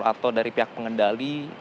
atau dari pihak pengendali